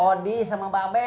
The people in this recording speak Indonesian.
odi sama babe